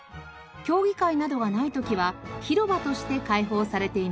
競技会などがない時は広場として開放されています。